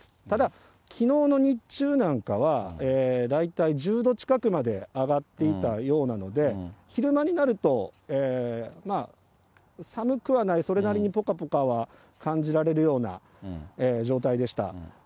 ただ、きのうの日中なんかは、大体１０度近くまで上がっていたようなので、昼間になると、まあ、寒くはない、それなりにぽかぽかは感じられるような状態でした。